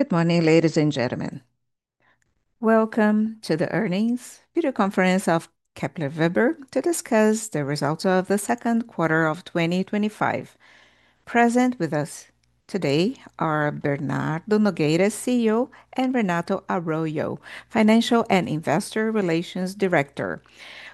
Good morning, ladies and gentlemen. Welcome to the Earnings Video Conference of Kepler Weber to discuss the results of the second quarter of 2025. Present with us today are Bernardo Nogueira, CEO, and Renato Arroyo, Financial and Investor Relations Director.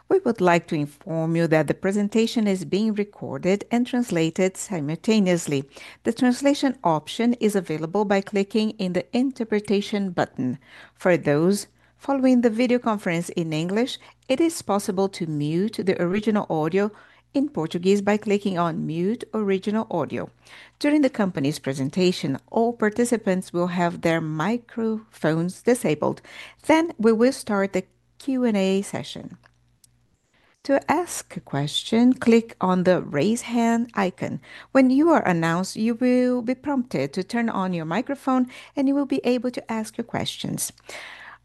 We would like to inform you that the presentation is being recorded and translated simultaneously. The translation option is available by clicking on the Interpretation button. For those following the video conference in English, it is possible to mute the original audio in Portuguese by clicking on Mute Original Audio. During the company's presentation, all participants will have their microphones disabled. We will start the Q&A session. To ask a question, click on the Raise Hand icon. When you are announced, you will be prompted to turn on your microphone, and you will be able to ask your questions.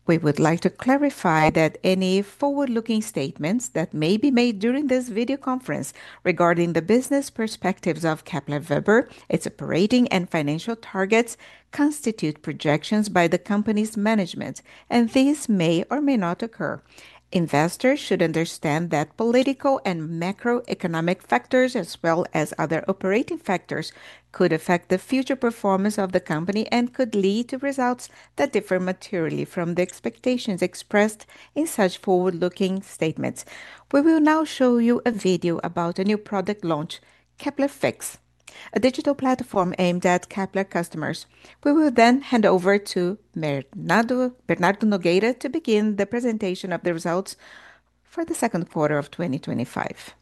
We would like to clarify that any forward-looking statements that may be made during this video conference regarding the business perspectives of Kepler Weber, its operating and financial targets constitute projections by the company's management, and these may or may not occur. Investors should understand that political and macroeconomic factors, as well as other operating factors, could affect the future performance of the company and could lead to results that differ materially from the expectations expressed in such forward-looking statements. We will now show you a video about a new product launch, Kepler Fix, a digital platform aimed at Kepler Weber customers. We will then hand over to Bernardo Nogueira to begin the presentation of the results for the second quarter of 2025.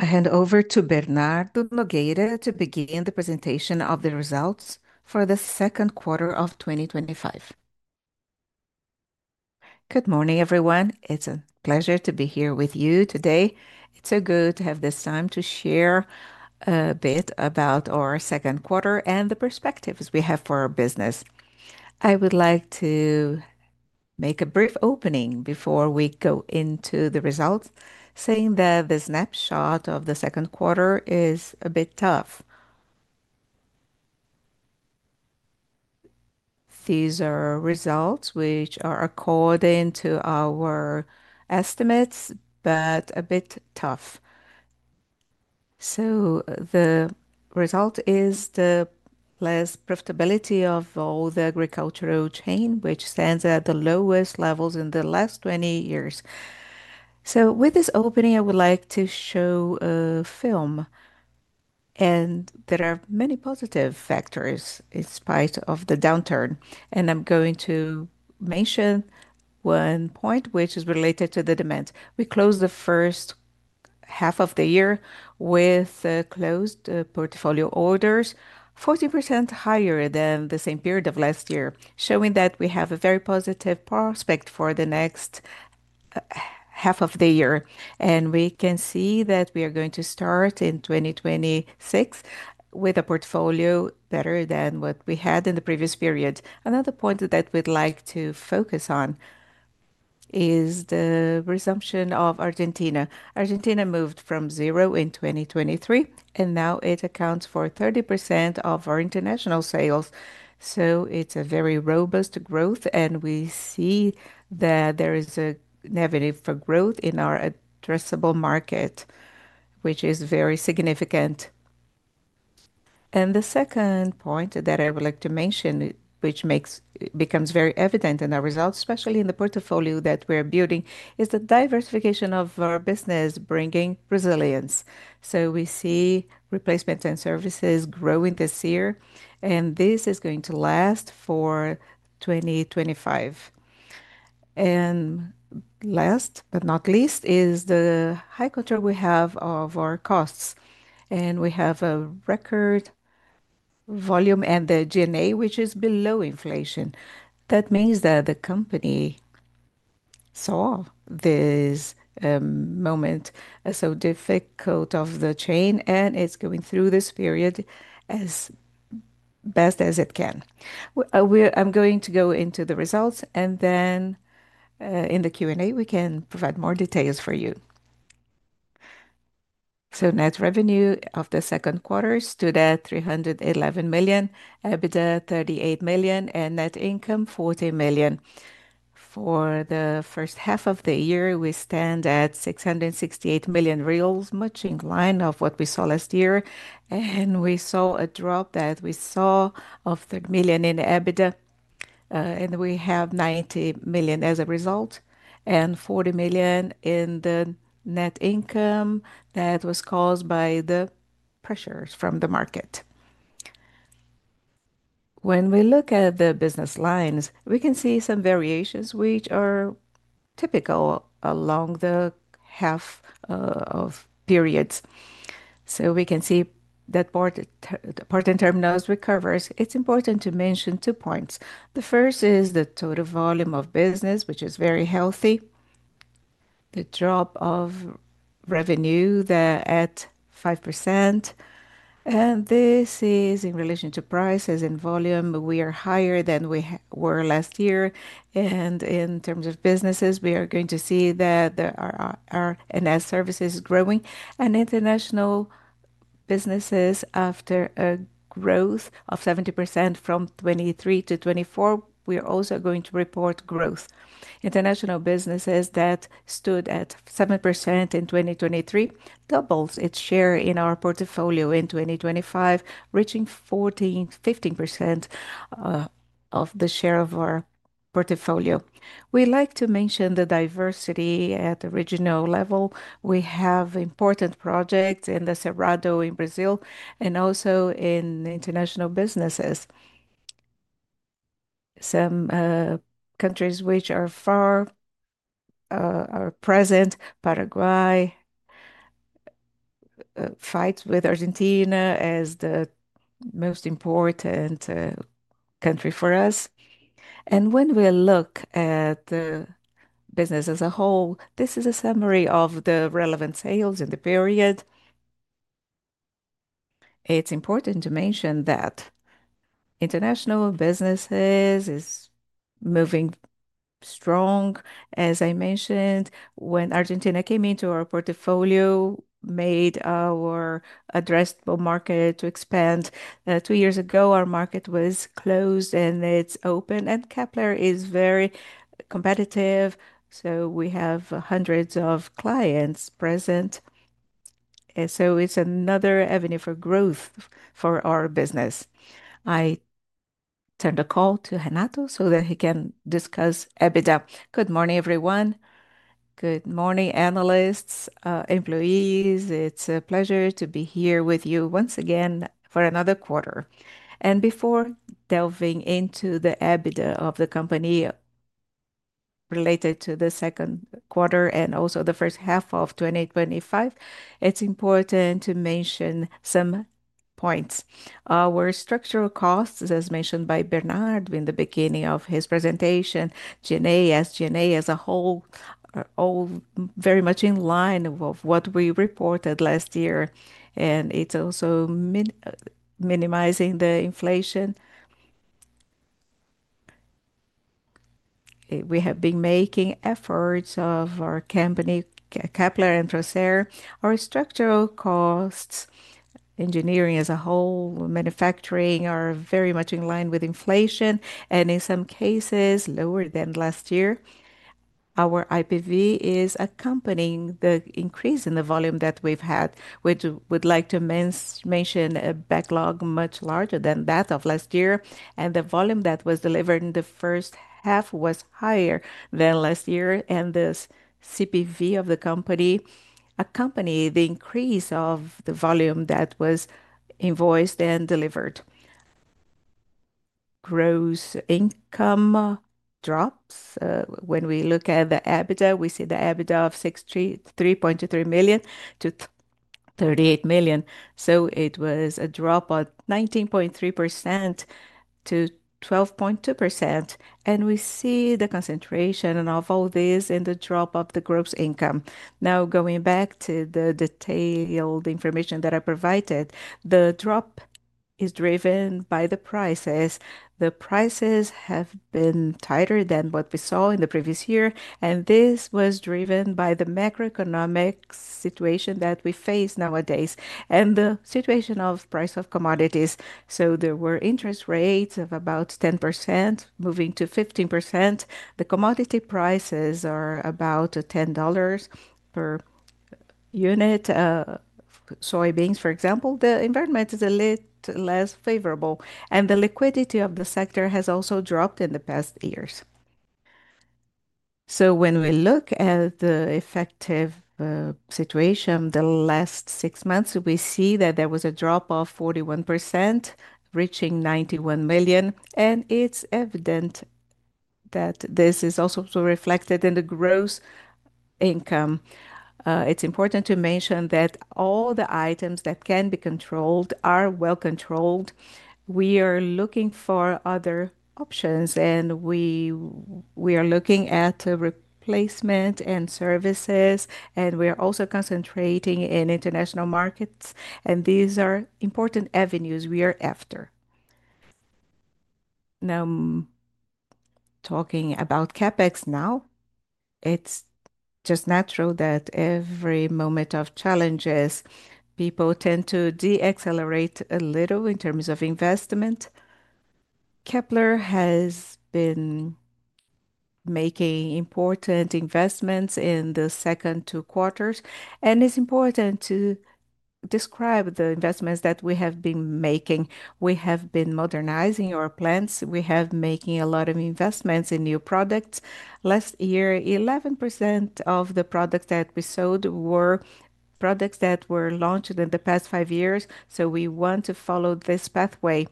I hand over to Bernardo Nogueira to begin the presentation of the results for the second quarter of 2025. Good morning, everyone. It's a pleasure to be here with you today. It's so good to have this time to share a bit about our second quarter and the perspectives we have for our business. I would like to make a brief opening before we go into the results, saying that the snapshot of the second quarter is a bit tough. These are results which are according to our estimates, but a bit tough. The result is the less profitability of all the agricultural chain, which stands at the lowest levels in the last 20 years. With this opening, I would like to show a film, and there are many positive factors in spite of the downturn. I'm going to mention one point which is related to the demand. We closed the first half of the year with closed portfolio orders 40% higher than the same period of last year, showing that we have a very positive prospect for the next half of the year. We can see that we are going to start in 2026 with a portfolio better than what we had in the previous period. Another point that we'd like to focus on is the resumption of Argentina. Argentina moved from zero in 2023, and now it accounts for 30% of our international sales. It's a very robust growth, and we see that there is a negative growth in our addressable market, which is very significant. The second point that I would like to mention, which becomes very evident in our results, especially in the portfolio that we are building, is the diversification of our business, bringing resilience. We see replacement and services growing this year, and this is going to last for 2025. Last but not least is the high quarter we have of our costs. We have a record volume and the G&A, which is below inflation. That means that the company saw this moment as so difficult of the chain, and it's going through this period as best as it can. I'm going to go into the results, and then in the Q&A, we can provide more details for you. Net revenue of the second quarter stood at 311 million, EBITDA 38 million, and net income 40 million. For the first half of the year, we stand at 668 million reais, much in line with what we saw last year. We saw a drop that we saw of 30 million in EBITDA, and we have 90 million as a result, and 40 million in the net income that was caused by the pressures from the market. When we look at the business lines, we can see some variations which are typical along the half of periods. We can see that part-time terminals recover. It's important to mention two points. The first is the total volume of business, which is very healthy, the drop of revenue at 5%. This is in relation to prices and volume. We are higher than we were last year. In terms of businesses, we are going to see that there are NS services growing, and international businesses, after a growth of 70% from 2023 to 2024, we are also going to report growth. International businesses that stood at 7% in 2023 doubled its share in our portfolio in 2025, reaching 14%, 15% of the share of our portfolio. We like to mention the diversity at the regional level. We have important projects in the Cerrado in Brazil and also in international businesses. Some countries which are far away are present. Paraguay fights with Argentina as the most important country for us. When we look at the business as a whole, this is a summary of the relevant sales in the period. It's important to mention that international businesses are moving strong. As I mentioned, when Argentina came into our portfolio, it made our addressable market expand. Two years ago, our market was closed, and it's open. Kepler is very competitive, so we have hundreds of clients present. It's another avenue for growth for our business. I turn the call to Renato so that he can discuss EBITDA. Good morning, everyone. Good morning, analysts, employees. It's a pleasure to be here with you once again for another quarter. Before delving into the EBITDA of the company related to the second quarter and also the first half of 2025, it's important to mention some points. Our structural costs, as mentioned by Bernardo in the beginning of his presentation, G&A, as G&A as a whole, are all very much in line with what we reported last year. It's also minimizing the inflation. We have been making efforts of our company, Kepler and Prócer. Our structural costs, engineering as a whole, manufacturing are very much in line with inflation, and in some cases, lower than last year. Our IPV is accompanying the increase in the volume that we've had. We would like to mention a backlog much larger than that of last year. The volume that was delivered in the first half was higher than last year. The CPV of the company accompanies the increase of the volume that was invoiced and delivered. Gross income drops. When we look at the EBITDA, we see the EBITDA of 32.3 million-38 million. It was a drop of 19.3% to 12.2%. We see the concentration of all this in the drop of the gross income. Now, going back to the detailed information that I provided, the drop is driven by the prices. The prices have been tighter than what we saw in the previous year. This was driven by the macroeconomic situation that we face nowadays and the situation of the price of commodities. There were interest rates of about 10% moving to 15%. The commodity prices are about $10 per unit. Soybeans, for example, the environment is a little less favorable. The liquidity of the sector has also dropped in the past years. When we look at the effective situation in the last six months, we see that there was a drop of 41%, reaching 91 million. It is evident that this is also reflected in the gross income. It's important to mention that all the items that can be controlled are well controlled. We are looking for other options, and we are looking at replacement and services. We are also concentrating in international markets. These are important avenues we are after. Now, talking about CapEx, it's just natural that every moment of challenges, people tend to de-accelerate a little in terms of investment. Kepler has been making important investments in the second two quarters. It's important to describe the investments that we have been making. We have been modernizing our plants. We have been making a lot of investments in new products. Last year, 11% of the products that we sold were products that were launched in the past five years. We want to follow this pathway.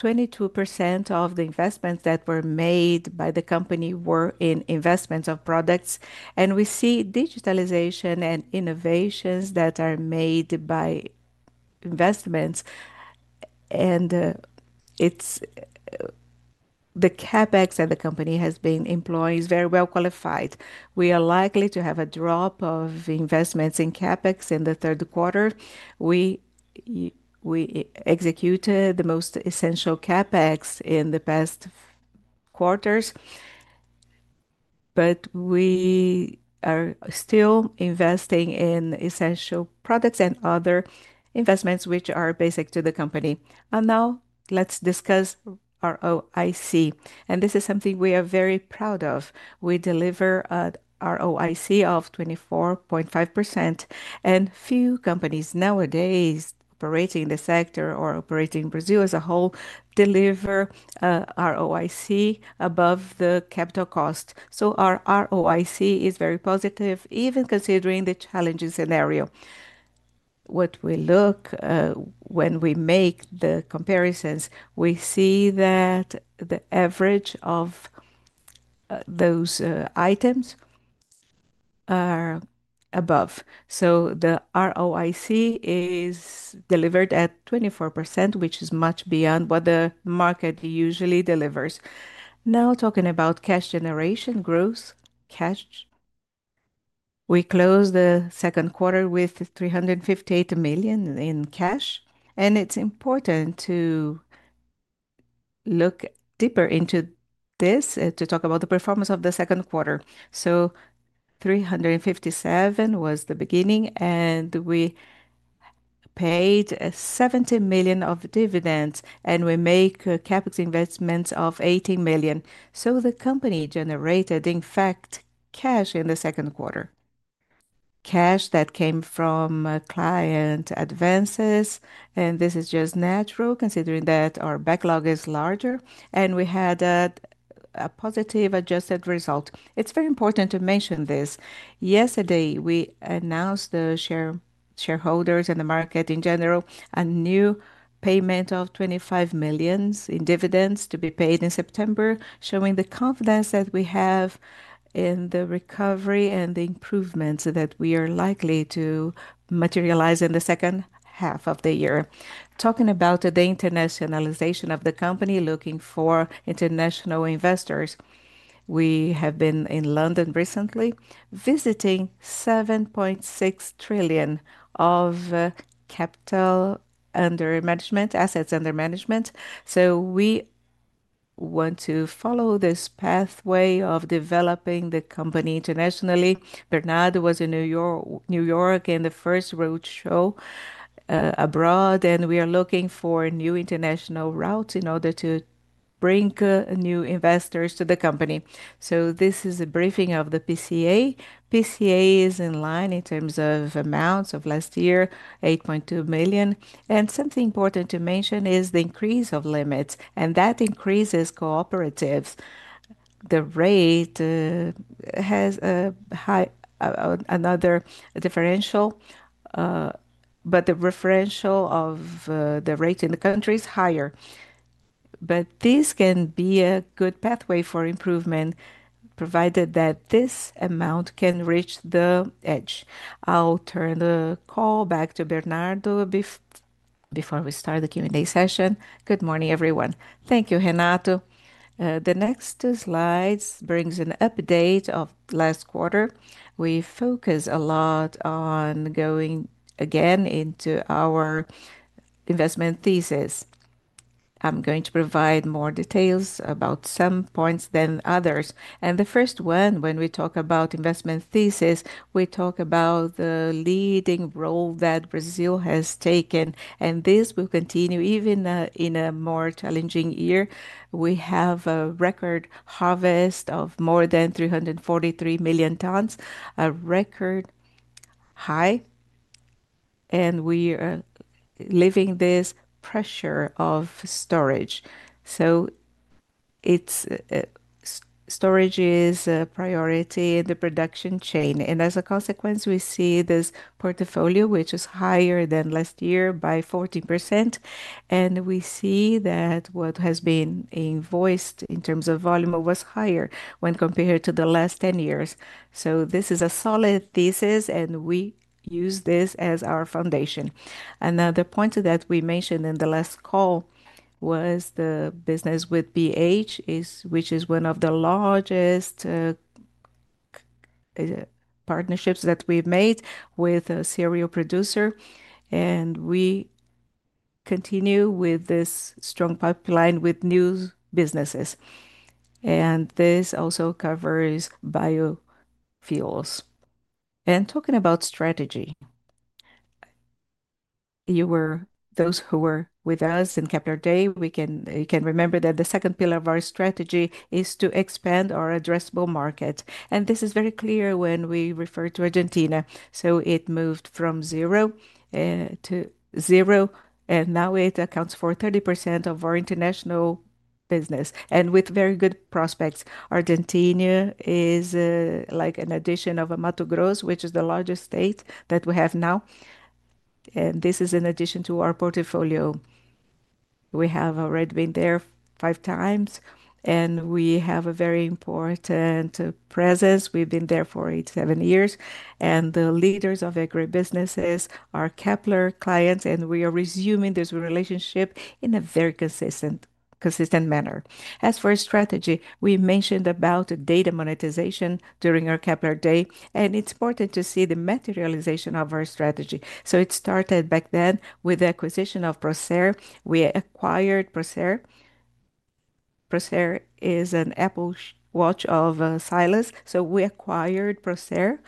22% of the investments that were made by the company were in investments of products. We see digitalization and innovations that are made by investments. The CapEx that the company has been employing is very well qualified. We are likely to have a drop of investments in CapEx in the third quarter. We executed the most essential CapEx in the past quarters. We are still investing in essential products and other investments which are basic to the company. Now, let's discuss our ROIC. This is something we are very proud of. We delivered our ROIC of 24.5%. Few companies nowadays operating in the sector or operating in Brazil as a whole deliver our ROIC above the capital cost. Our ROIC is very positive, even considering the challenging scenario. When we look, when we make the comparisons, we see that the average of those items is above. The ROIC is delivered at 24%, which is much beyond what the market usually delivers. Now, talking about cash generation growth, we closed the second quarter with 358 million in cash. It's important to look deeper into this to talk about the performance of the second quarter. 357 million was the beginning, and we paid BRL $70 million of dividends. We make CapEx investments of BRL $18 million. The company generated, in fact, cash in the second quarter, cash that came from client advances. This is just natural considering that our backlog is larger. We had a positive adjusted result. It's very important to mention this. Yesterday, we announced to shareholders and the market in general a new payment of BRL $25 million in dividends to be paid in September, showing the confidence that we have in the recovery and the improvements that we are likely to materialize in the second half of the year. Talking about the internationalization of the company, looking for international investors, we have been in London recently, visiting 7.6 trillion of assets under management. We want to follow this pathway of developing the company internationally. Bernardo was in New York in the first roadshow abroad. We are looking for new international routes in order to bring new investors to the company. This is a briefing of the PCA. PCA is in line in terms of amounts of last year, 8.2 million. Something important to mention is the increase of limits. That increases cooperatives. The rate has another differential, but the differential of the rate in the country is higher. This can be a good pathway for improvement, provided that this amount can reach the edge. I'll turn the call back to Bernardo before we start the Q&A session. Good morning, everyone. Thank you, Renato. The next slide brings an update of last quarter. We focus a lot on going again into our investment thesis. I'm going to provide more details about some points than others. The first one, when we talk about investment thesis, we talk about the leading role that Brazil has taken. This will continue even in a more challenging year. We have a record harvest of more than 343 million tons, a record high. We are living this pressure of storage. Storage is a priority in the production chain. As a consequence, we see this portfolio, which is higher than last year by 14%. We see that what has been invoiced in terms of volume was higher when compared to the last 10 years. This is a solid thesis, and we use this as our foundation. Another point that we mentioned in the last call was the business with BH, which is one of the largest partnerships that we've made with a cereal producer. We continue with this strong pipeline with new businesses. This also covers biofuels. Talking about strategy, those who were with us in Kepler Day, you can remember that the second pillar of our strategy is to expand our addressable markets. This is very clear when we refer to Argentina. It moved from zero to zero, and now it accounts for 30% of our international business. With very good prospects, Argentina is like an addition of a Mato Grosso, which is the largest state that we have now. This is in addition to our portfolio. We have already been there five times, and we have a very important presence. We've been there for eight, seven years. The leaders of agribusinesses are Kepler clients, and we are resuming this relationship in a very consistent manner. As for strategy, we mentioned data monetization during our Kepler Day, and it's important to see the materialization of our strategy. It started back then with the acquisition of Prócer. We acquired Prócer. Prócer is an Apple Watch of Silos. We acquired Prócer,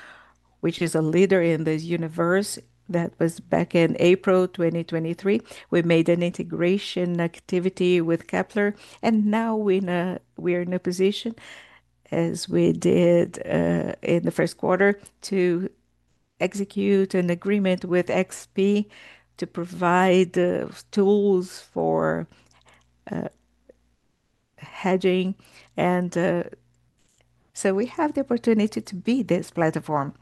which is a leader in this universe. That was back in April 2023. We made an integration activity with Kepler. Now we are in a position, as we did in the first quarter, to execute an agreement with XP to provide tools for hedging. We have the opportunity to be this platform.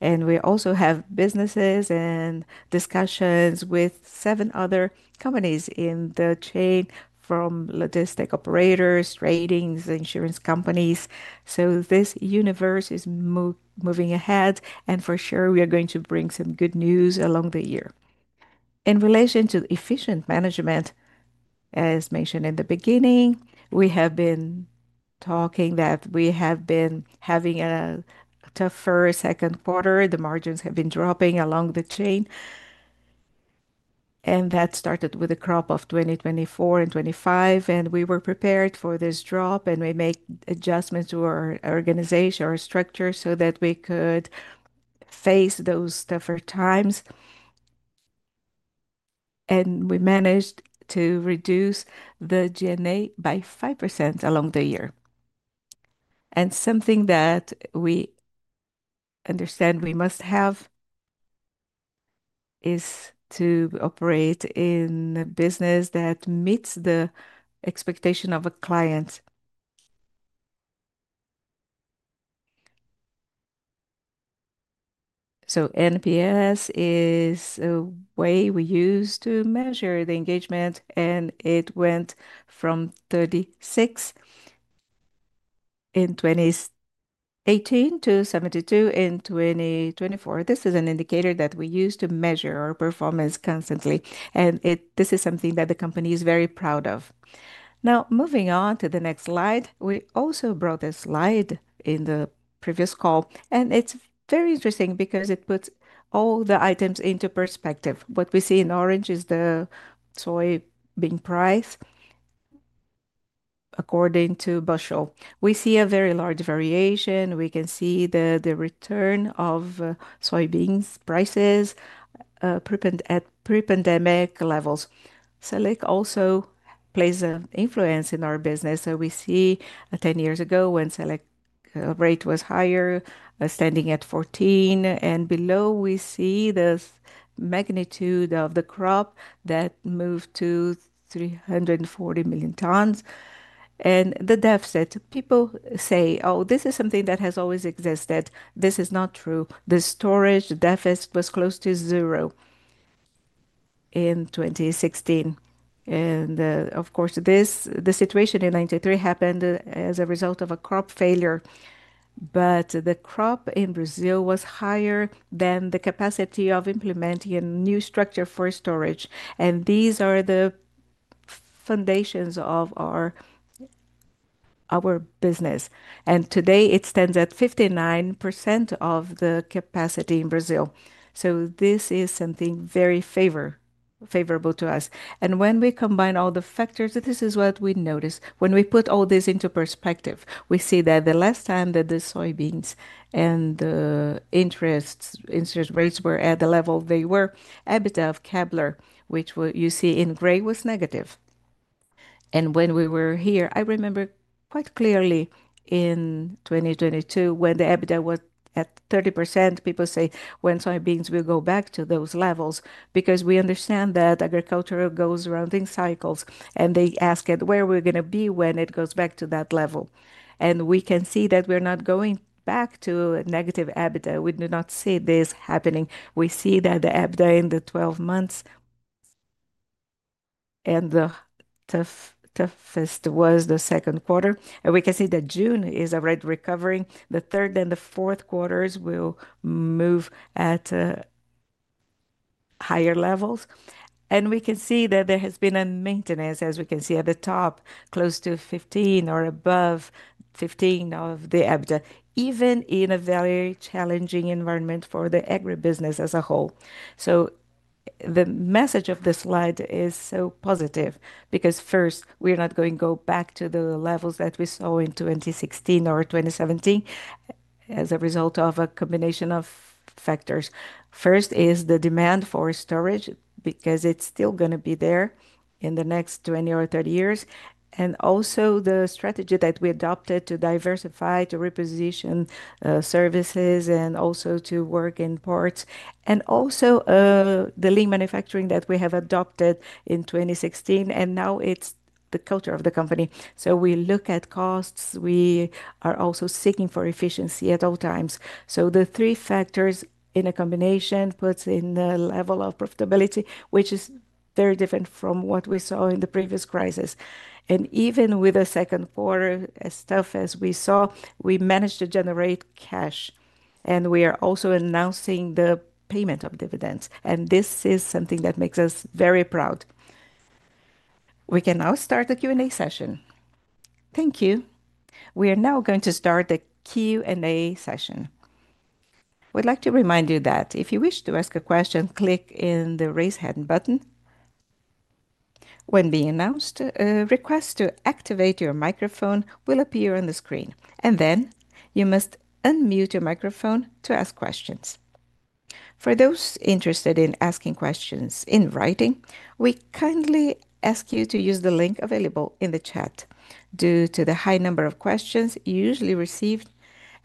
We also have businesses and discussions with seven other companies in the chain, from logistic operators, tradings, insurance companies. This universe is moving ahead. For sure, we are going to bring some good news along the year. In relation to efficient management, as mentioned in the beginning, we have been talking that we have been having a tougher second quarter. The margins have been dropping along the chain. That started with a crop of 2024 and 2025. We were prepared for this drop, and we made adjustments to our organization, our structure, so that we could face those tougher times. We managed to reduce the G&A by 5% along the year. Something that we understand we must have is to operate in a business that meets the expectation of a client. NPS is a way we use to measure the engagement, and it went from 36 in 2018 to 72 in 2024. This is an indicator that we use to measure our performance constantly. This is something that the company is very proud of. Now, moving on to the next slide, we also brought this slide in the previous call. It's very interesting because it puts all the items into perspective. What we see in orange is the soybean price according to Bushell. We see a very large variation. We can see the return of soybeans prices at pre-pandemic levels. Select also plays an influence in our business. We see 10 years ago when SELIC rate was higher, standing at 14%. Below, we see the magnitude of the crop that moved to 340 million tons. The deficit, people say, "Oh, this is something that has always existed." This is not true. The storage deficit was close to zero in 2016. The situation in 1993 happened as a result of a crop failure. The crop in Brazil was higher than the capacity of implementing a new structure for storage. These are the foundations of our business. Today, it stands at 59% of the capacity in Brazil. This is something very favorable to us. When we combine all the factors, this is what we notice. When we put all this into perspective, we see that the last time that the soybeans and the interest rates were at the level they were, EBITDA of Kepler, which you see in gray, was negative. When we were here, I remember quite clearly in 2022, when the EBITDA was at 30%, people say, "When soybeans will go back to those levels?" We understand that agriculture goes round in cycles. They ask, "Where are we going to be when it goes back to that level?" We can see that we're not going back to a negative EBITDA. We do not see this happening. We see that the EBITDA in the 12 months and the toughest was the second quarter. We can see that June is already recovering. The third and the fourth quarters will move at higher levels. We can see that there has been a maintenance, as we can see at the top, close to 15% or above 15% of the EBITDA, even in a very challenging environment for the agribusiness as a whole. The message of this slide is so positive because first, we are not going to go back to the levels that we saw in 2016 or 2017 as a result of a combination of factors. First is the demand for storage because it's still going to be there in the next 20 or 30 years. Also, the strategy that we adopted to diversify, to reposition services, and also to work in ports. Also, the lean manufacturing that we have adopted in 2016. Now, it's the culture of the company. We look at costs. We are also seeking for efficiency at all times. The three factors in a combination put in the level of profitability, which is very different from what we saw in the previous crisis. Even with the second quarter stuff as we saw, we managed to generate cash. We are also announcing the payment of dividends. This is something that makes us very proud. We can now start the Q&A session. Thank you. We are now going to start the Q&A session. We'd like to remind you that if you wish to ask a question, click on the Raise Hand button. When being announced, a request to activate your microphone will appear on the screen. You must unmute your microphone to ask questions. For those interested in asking questions in writing, we kindly ask you to use the link available in the chat due to the high number of questions usually received.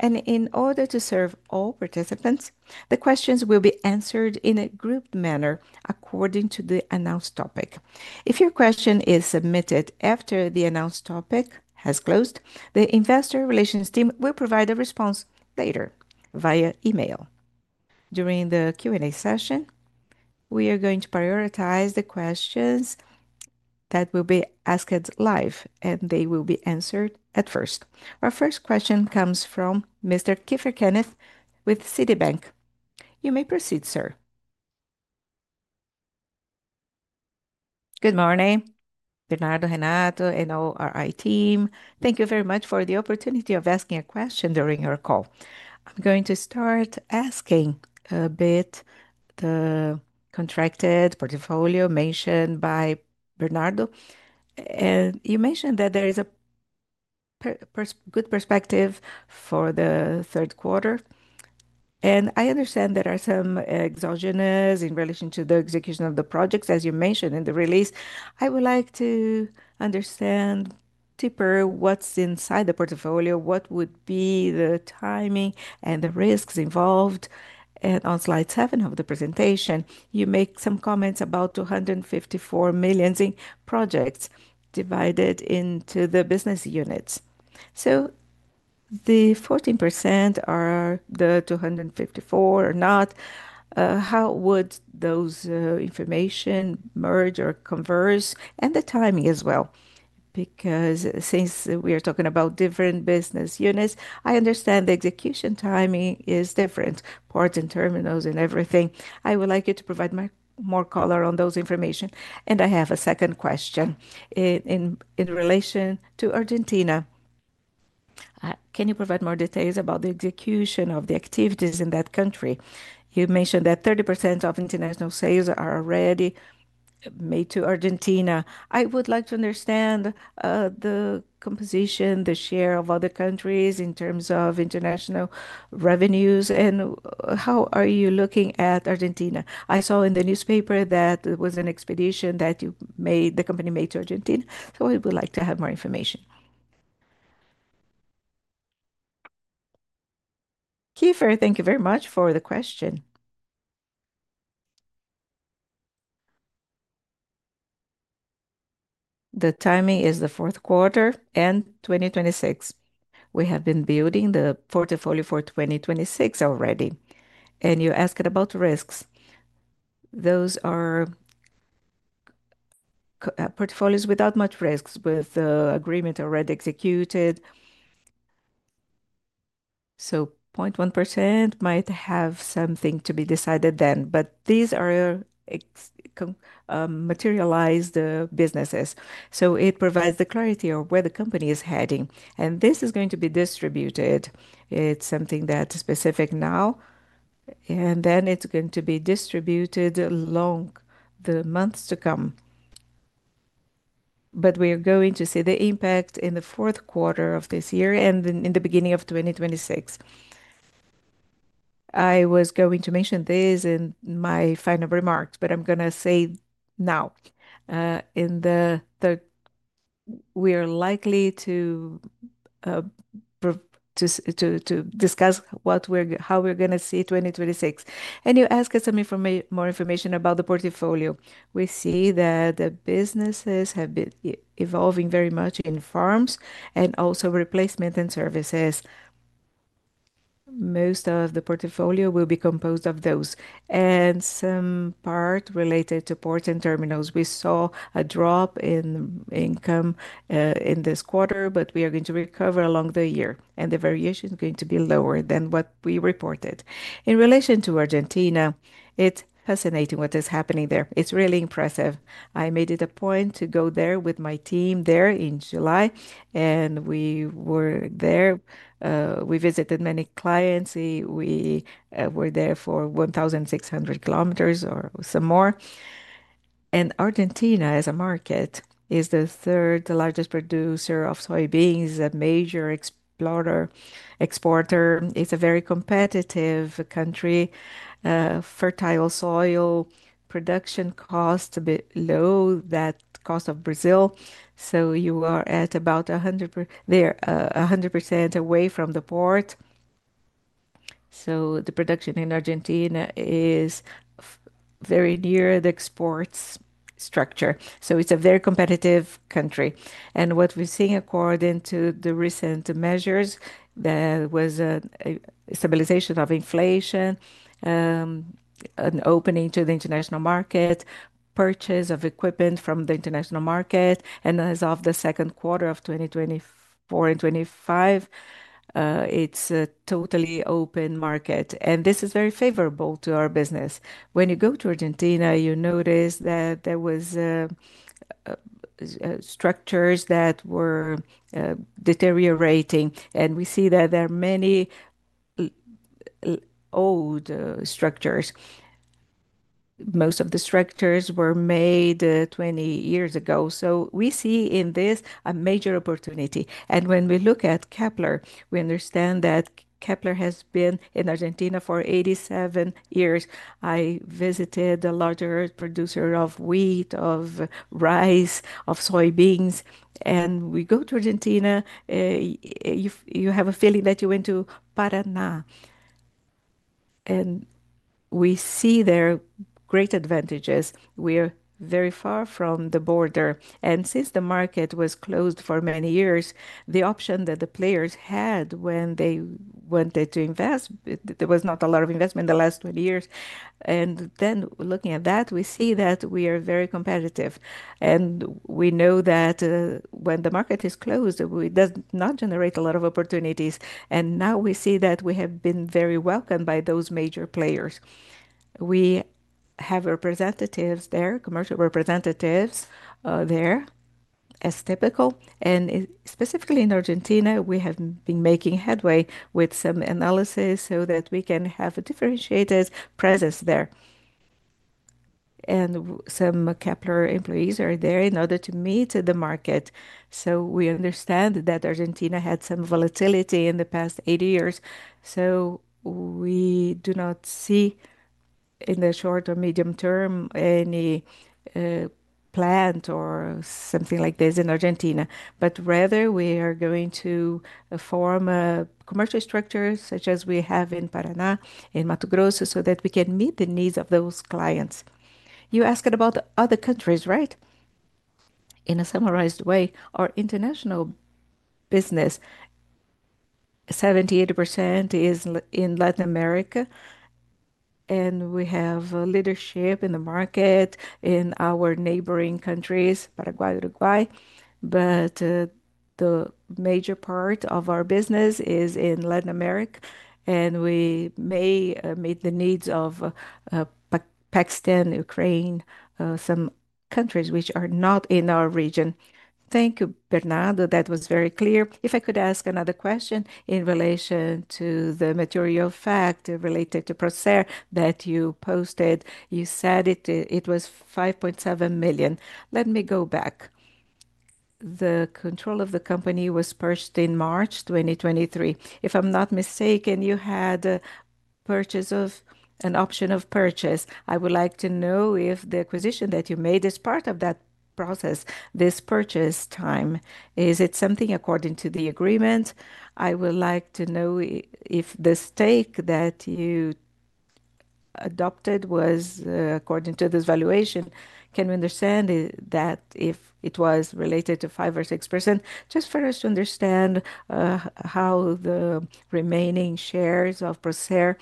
In order to serve all participants, the questions will be answered in a group manner according to the announced topic. If your question is submitted after the announced topic has closed, the Investor Relations team will provide a response later via email. During the Q&A session, we are going to prioritize the questions that will be asked live, and they will be answered at first. Our first question comes from Mr. Keefer Kennedy with Citibank. You may proceed, sir. Good morning. Bernardo, Renato, and all our IT team, thank you very much for the opportunity of asking a question during your call. I'm going to start asking a bit about the contracted portfolio mentioned by Bernardo. You mentioned that there is a good perspective for the third quarter. I understand there are some exogenous in relation to the execution of the projects, as you mentioned in the release. I would like to understand deeper what's inside the portfolio, what would be the timing and the risks involved. On slide seven of the presentation, you make some comments about 254 million in projects divided into the business units. The 14% are the 254 million or not. How would those information merge or converge? The timing as well. Since we are talking about different business units, I understand the execution timing is different, ports and terminals and everything. I would like you to provide more color on those informations. I have a second question in relation to Argentina. Can you provide more details about the execution of the activities in that country? You mentioned that 30% of international sales are already made to Argentina. I would like to understand the composition, the share of other countries in terms of international revenues. How are you looking at Argentina? I saw in the newspaper that it was an expedition that you made, the company made to Argentina. I would like to have more information. Keith, thank you very much for the question. The timing is the fourth quarter and 2026. We have been building the portfolio for 2026 already. You're asking about risks. Those are portfolios without much risk with the agreement already executed. 0.1% might have something to be decided then. These are materialized businesses. It provides the clarity of where the company is heading. This is going to be distributed. It's something that is specific now. It's going to be distributed along the months to come. We are going to see the impact in the fourth quarter of this year and in the beginning of 2026. I was going to mention this in my final remarks, but I'm going to say now. We are likely to discuss how we're going to see 2026. You ask us some more information about the portfolio. We see that the businesses have been evolving very much in farms and also replacement and services. Most of the portfolio will be composed of those, and some part related to ports and terminals. We saw a drop in income in this quarter, but we are going to recover along the year. The variation is going to be lower than what we reported. In relation to Argentina, it's fascinating what is happening there. It's really impressive. I made it a point to go there with my team in July. We were there. We visited many clients. We were there for 1,600 kilometers or some more. Argentina, as a market, is the third largest producer of soybeans. It's a major exporter. It's a very competitive country. Fertile soil, production costs below that cost of Brazil. You are at about 100% away from the port. The production in Argentina is very near the export structure. It's a very competitive country. What we're seeing according to the recent measures, there was a stabilization of inflation, an opening to the international market, purchase of equipment from the international market. As of the second quarter of 2024 and 2025, it's a totally open market. This is very favorable to our business. When you go to Argentina, you notice that there were structures that were deteriorating. We see that there are many old structures. Most of the structures were made 20 years ago. We see in this a major opportunity. When we look at Kepler Weber, we understand that Kepler Weber has been in Argentina for 87 years. I visited the larger producer of wheat, of rice, of soybeans. When we go to Argentina, you have a feeling that you went to Paraná. We see there are great advantages. We are very far from the border. Since the market was closed for many years, the option that the players had when they wanted to invest, there was not a lot of investment in the last 20 years. Looking at that, we see that we are very competitive. We know that when the market is closed, it does not generate a lot of opportunities. Now we see that we have been very welcomed by those major players. We have representatives there, commercial representatives there, as typical. Specifically in Argentina, we have been making headway with some analysis so that we can have a differentiated presence there. Some Kepler employees are there in order to meet the market. We understand that Argentina had some volatility in the past 80 years. We do not see in the short or medium term any plant or something like this in Argentina. Rather, we are going to form a commercial structure such as we have in Paraná, in Mato Grosso, so that we can meet the needs of those clients. You asked about other countries, right? In a summarized way, our international business, 78% is in Latin America. We have leadership in the market in our neighboring countries, Paraguay, Uruguay. The major part of our business is in Latin America. We may meet the needs of Pakistan, Ukraine, some countries which are not in our region. Thank you, Bernardo. That was very clear. If I could ask another question in relation to the material fact related to Prócer that you posted, you said it was 5.7 million. Let me go back. The control of the company was purchased in March 2023. If I'm not mistaken, you had an option of purchase. I would like to know if the acquisition that you made is part of that process, this purchase time. Is it something according to the agreement? I would like to know if the stake that you adopted was according to this valuation. Can we understand that if it was related to 5% or 6%? Just for us to understand how the remaining shares of Prócer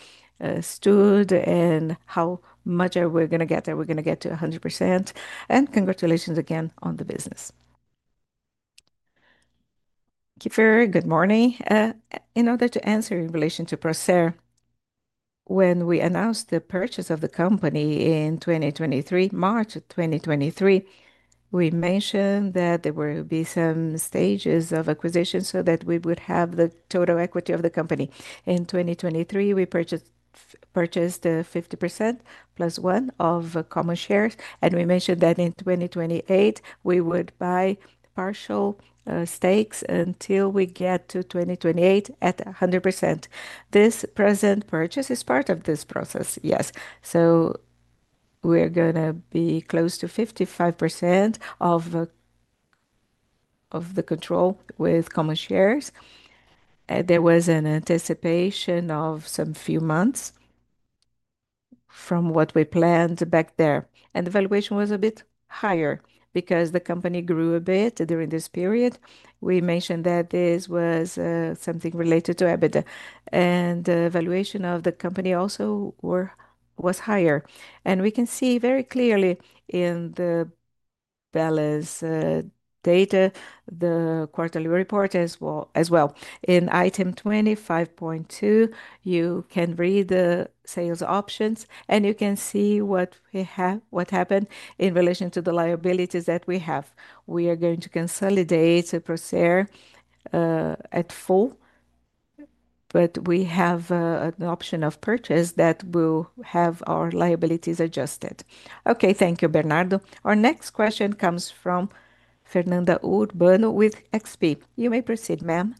stood and how much are we going to get there. We're going to get to 100%. Congratulations again on the business. Keefer, good morning. In order to answer in relation to Prócer, when we announced the purchase of the company in March 2023, we mentioned that there would be some stages of acquisition so that we would have the total equity of the company. In 2023, we purchased 50% plus 1% of common shares. We mentioned that in 2028, we would buy partial stakes until we get to 2028 at 100%. This present purchase is part of this process, yes. We're going to be close to 55% of the control with common shares. There was an anticipation of some few months from what we planned back there. The valuation was a bit higher because the company grew a bit during this period. We mentioned that this was something related to EBITDA. The valuation of the company also was higher. We can see very clearly in the balance data, the quarterly report as well. In item 25.2, you can read the sales options, and you can see what happened in relation to the liabilities that we have. We are going to consolidate Prócer at full, but we have an option of purchase that will have our liabilities adjusted. Thank you, Bernardo. Our next question comes from Fernanda Urbano with XP. You may proceed, ma'am.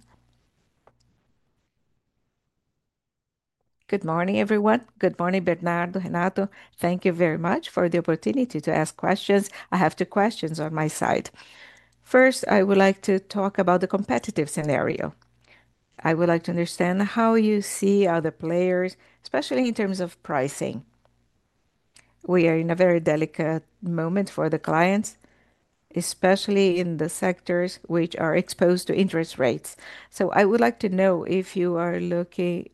Good morning, everyone. Good morning, Bernardo, Renato. Thank you very much for the opportunity to ask questions. I have two questions on my side. First, I would like to talk about the competitive scenario. I would like to understand how you see other players, especially in terms of pricing. We are in a very delicate moment for the clients, especially in the sectors which are exposed to interest rates. I would like to know if you see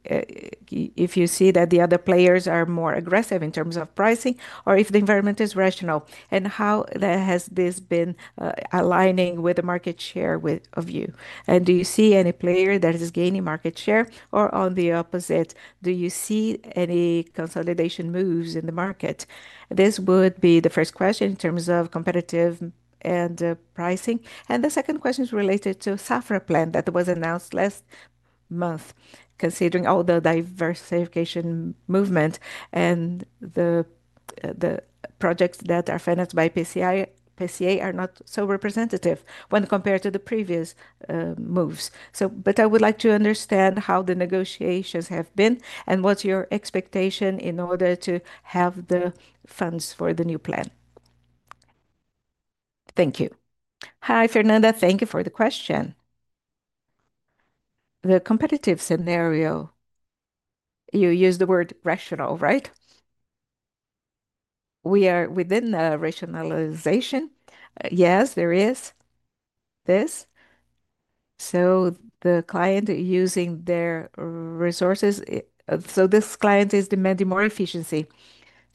that the other players are more aggressive in terms of pricing or if the environment is rational. How has this been aligning with the market share of you? Do you see any player that is gaining market share or on the opposite? Do you see any consolidation moves in the market? This would be the first question in terms of competitive and pricing. The second question is related to Safra Plan that was announced last month, considering all the diversification movement and the projects that are financed by PCA are not so representative when compared to the previous moves. I would like to understand how the negotiations have been and what's your expectation in order to have the funds for the new plan. Thank you. Hi, Fernanda. Thank you for the question. The competitive scenario, you use the word rational, right? We are within the rationalization. Yes, there is this. The client is using their resources. This client is demanding more efficiency.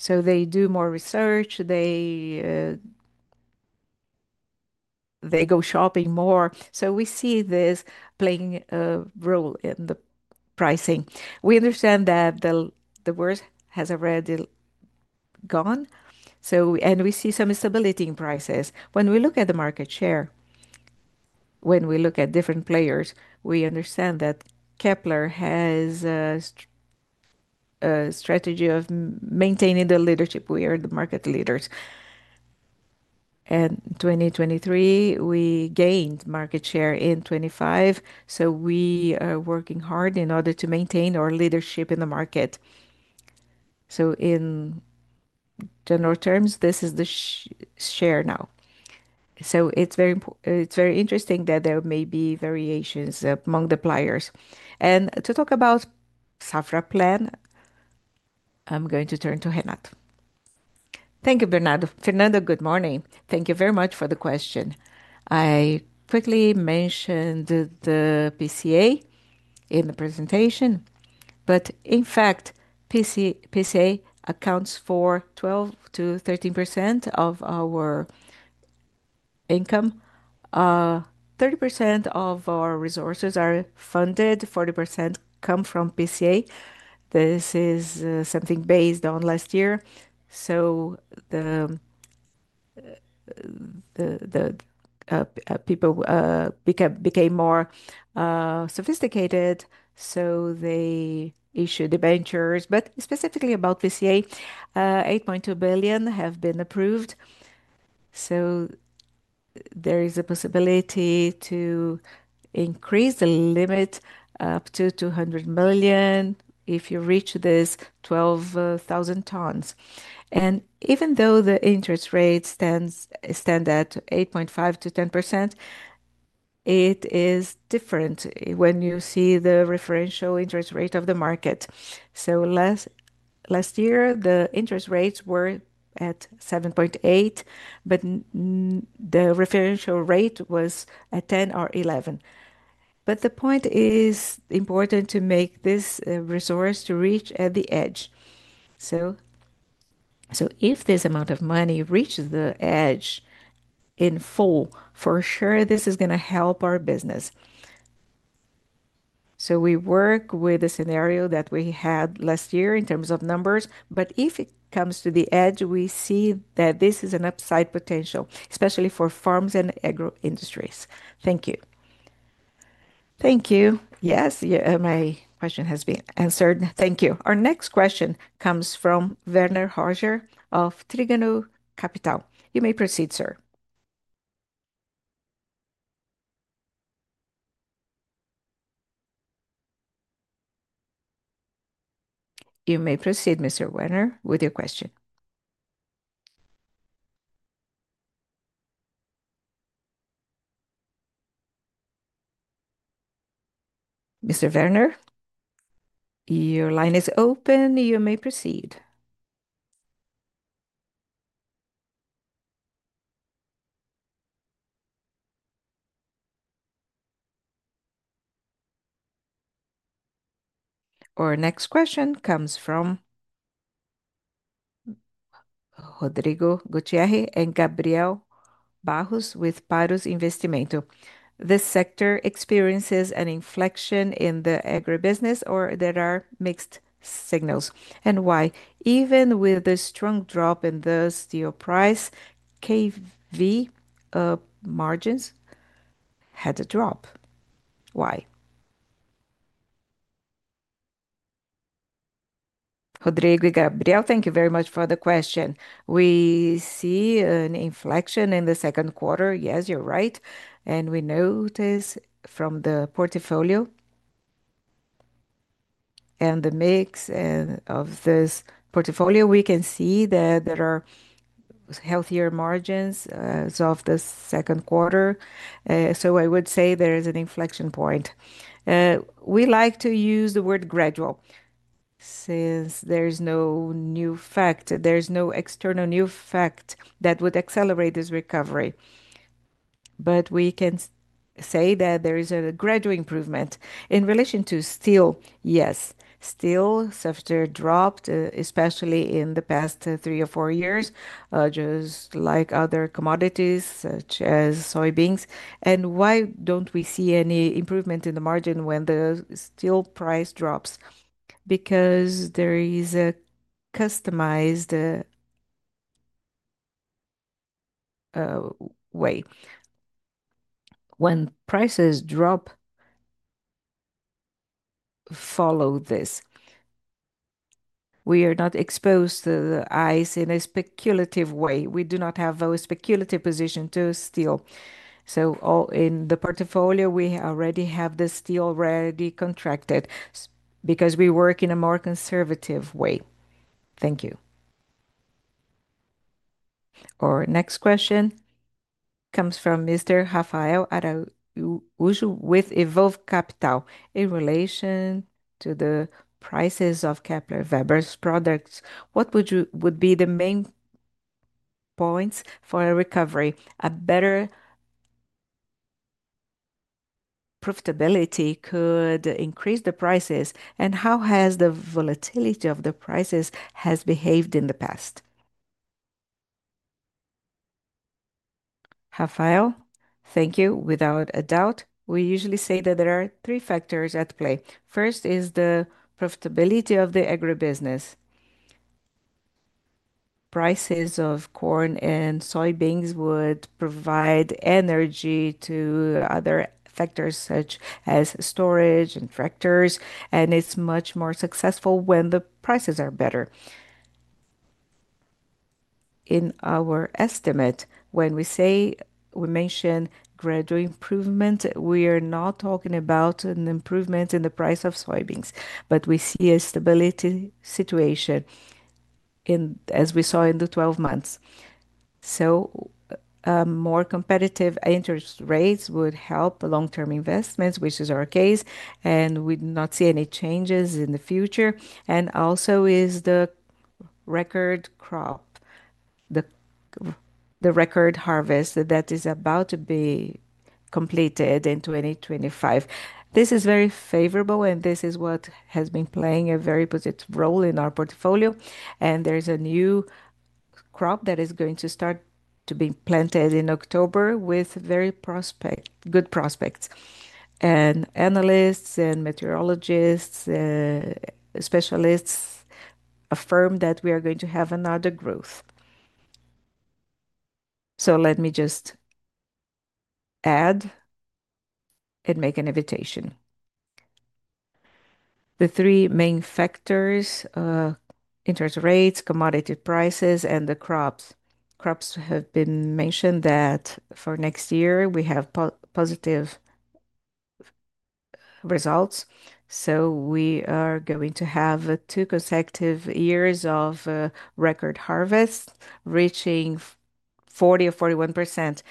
They do more research. They go shopping more. We see this playing a role in the pricing. We understand that the worst has already gone. We see some instability in prices. When we look at the market share, when we look at different players, we understand that Kepler has a strategy of maintaining the leadership. We are the market leaders. In 2023, we gained market share in 2025. We are working hard in order to maintain our leadership in the market. In general terms, this is the share now. It's very interesting that there may be variations among the players. To talk about Safra Plan, I'm going to turn to Renato. Thank you, Fernando. Fernando, good morning. Thank you very much for the question. I quickly mentioned the PCA in the presentation. In fact, PCA accounts for 12%-13% of our income. 30% of our resources are funded. 40% come from PCA. This is something based on last year. The people became more sophisticated. They issued debentures. Specifically about PCA, 8.2 billion have been approved. There is a possibility to increase the limit up to 200 million if you reach this 12,000 tons. Even though the interest rate stands at 8.5%-10%, it is different when you see the referential interest rate of the market. Last year, the interest rates were at 7.8%, but the referential rate was at 10% or 11%. The point is important to make this resource reach at the edge. If this amount of money reaches the edge in full, for sure, this is going to help our business. We work with the scenario that we had last year in terms of numbers. If it comes to the edge, we see that this is an upside potential, especially for farms and agroindustries. Thank you. Thank you. Yes, my question has been answered. Thank you. Our next question comes from Werner Roger of Trigono Capital. You may proceed, sir. You may proceed, Mr. Werner, with your question. Mr. Werner, your line is open. You may proceed. Our next question comes from Rodrigo Gutiérrez and Gabriel Bajos with Paros Investimento. This sector experiences an inflection in the agribusiness, or there are mixed signals. Why? Even with the strong drop in the steel price, KV margins had a drop. Why? Rodrigo and Gabriel, thank you very much for the question. We see an inflection in the second quarter. Yes, you're right. We notice from the portfolio and the mix of this portfolio, we can see that there are healthier margins of the second quarter. I would say there is an inflection point. We like to use the word gradual. There is no new fact, there is no external new fact that would accelerate this recovery. We can say that there is a gradual improvement. In relation to steel, yes. Steel prices dropped, especially in the past three or four years, just like other commodities such as soybeans. Why don't we see any improvement in the margin when the steel price drops? There is a customized way. When prices drop, follow this. We are not exposed to steel in a speculative way. We do not have a speculative position to steel. In the portfolio, we already have the steel already contracted because we work in a more conservative way. Thank you. Our next question comes from Mr. Rafael Araújo with Evolve Capital. In relation to the prices of Kepler Weber's products, what would be the main points for a recovery? A better profitability could increase the prices. How has the volatility of the prices behaved in the past? Rafael, thank you. Without a doubt, we usually say that there are three factors at play. First is the profitability of the agribusiness. Prices of corn and soybeans would provide energy to other sectors such as storage and tractors. It's much more successful when the prices are better. In our estimate, when we mention gradual improvement, we are not talking about an improvement in the price of soybeans. We see a stability situation, as we saw in the 12 months. More competitive interest rates would help long-term investments, which is our case. We do not see any changes in the future. There is also the record crop, the record harvest that is about to be completed in 2025. This is very favorable, and this is what has been playing a very positive role in our portfolio. There is a new crop that is going to start to be planted in October with very good prospects. Analysts, meteorologists, and specialists affirm that we are going to have another growth. Let me just add and make an invitation. The three main factors are interest rates, commodity prices, and the crops. Crops have been mentioned that for next year, we have positive results. We are going to have two consecutive years of record harvest reaching 40% or 41%.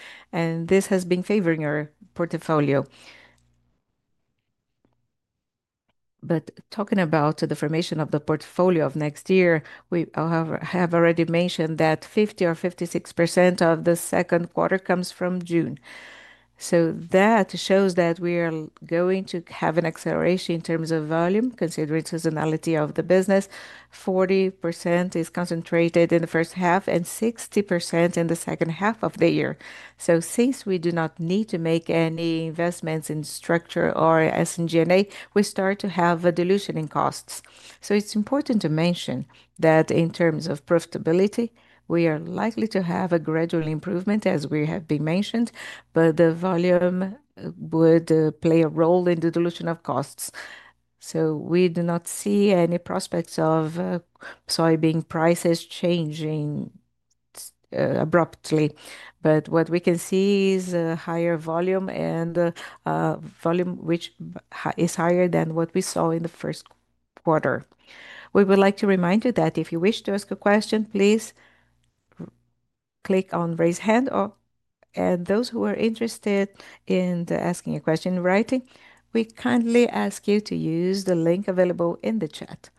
This has been favoring our portfolio. Talking about the formation of the portfolio of next year, we have already mentioned that 50% or 56% of the second quarter comes from June. That shows that we are going to have an acceleration in terms of volume considering the seasonality of the business. 40% is concentrated in the first half and 60% in the second half of the year. Since we do not need to make any investments in structure or SG&A, we start to have a dilution in costs. It is important to mention that in terms of profitability, we are likely to have a gradual improvement as we have been mentioning. The volume would play a role in the dilution of costs. We do not see any prospects of soybean prices changing abruptly. What we can see is a higher volume and a volume which is higher than what we saw in the first quarter. We would like to remind you that if you wish to ask a question, please click on Raise Hand. Those who are interested in asking a question in writing, we kindly ask you to use the link available in the chat.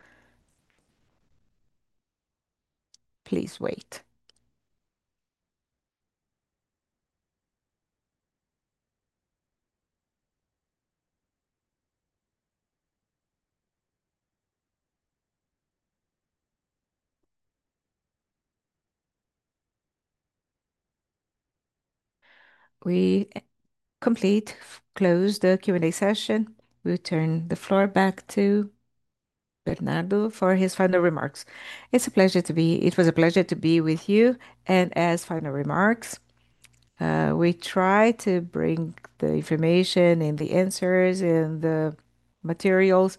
Please wait. We will complete and close the Q&A session. We turn the floor back to Bernardo for his final remarks. It was a pleasure to be with you. As final remarks, we try to bring the information and the answers and the materials.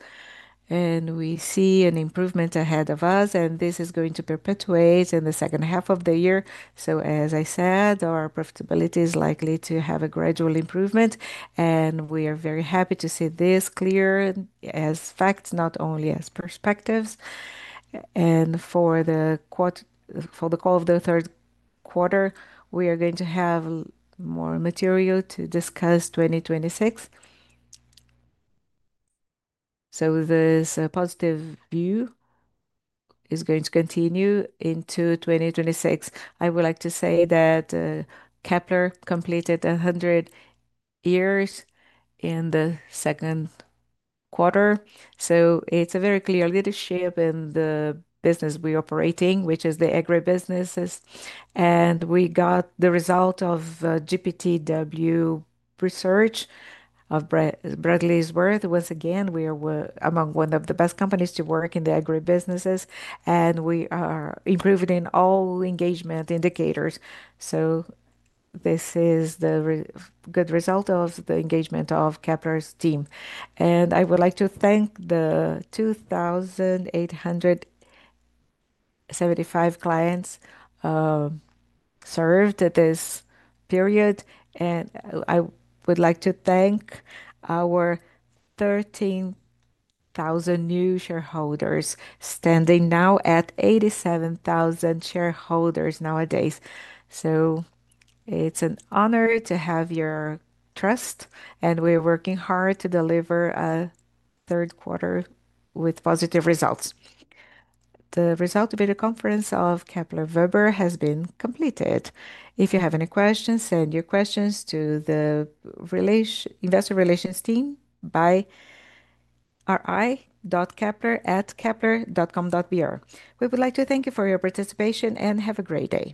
We see an improvement ahead of us, and this is going to perpetuate in the second half of the year. As I said, our profitability is likely to have a gradual improvement. We are very happy to see this clear as facts, not only as perspectives. For the call of the third quarter, we are going to have more material to discuss 2026. This positive view is going to continue into 2026. I would like to say that Kepler completed 100 years in the second quarter. It is a very clear leadership in the business we are operating, which is the agribusinesses. We got the result of GPTW Research of [Brazil's Work]. Once again, we are among one of the best companies to work in the agribusinesses. We are improving in all engagement indicators. This is the good result of the engagement of Kepler's team. I would like to thank the 2,875 clients served in this period. I would like to thank our 13,000 new shareholders, standing now at 87,000 shareholders nowadays. It is an honor to have your trust. We are working hard to deliver a third quarter with positive results. The result of the conference of Kepler Weber has been completed. If you have any questions, send your questions to the Investor Relations team by ri.kepler@kepler.com.br. We would like to thank you for your participation and have a great day.